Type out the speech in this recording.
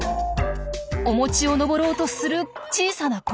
お餅を登ろうとする小さな甲虫。